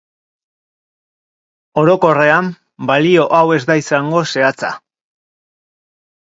Orokorrean balio hau ez da izango zehatza.